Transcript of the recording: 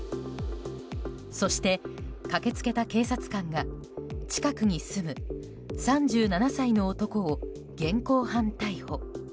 そして、駆けつけた警察官が近くに住む３７歳の男を現行犯逮捕。